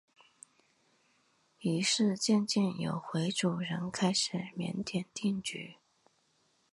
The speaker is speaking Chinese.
于是渐渐有回族人开始在缅甸定居。